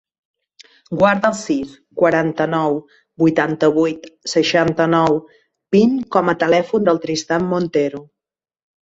Guarda el sis, quaranta-nou, vuitanta-vuit, seixanta-nou, vint com a telèfon del Tristan Montero.